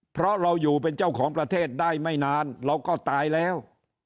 เพราะเราอยู่เป็นเจ้าของประเทศได้ไม่นานเราก็ตายแล้ว